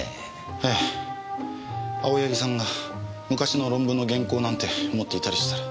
ええ青柳さんが昔の論文の原稿なんて持っていたりしたら。